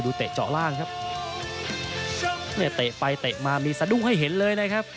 เตะเจาะล่างครับเนี่ยเตะไปเตะมามีสะดุ้งให้เห็นเลยนะครับ